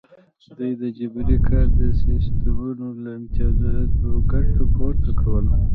دوی د جبري کار د سیستمونو له امتیازاتو ګټه پورته کوله.